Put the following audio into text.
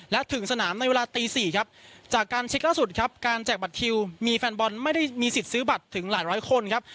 และถึงสนามในเวลาตี๔ครับจากการเช็คล่าสุดครับการแจกบัตรคิวมีแฟนบอลไม่ได้มีสิทธิ์ซื้อบัตรถึงหลายร้อยคนครับ